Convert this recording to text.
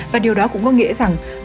và điều đó cũng có nghĩa rằng